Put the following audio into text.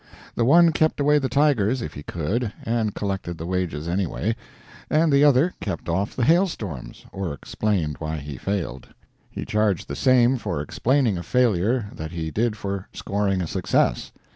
The one kept away the tigers if he could, and collected the wages anyway, and the other kept off the hailstorms, or explained why he failed. He charged the same for explaining a failure that he did for scoring a success.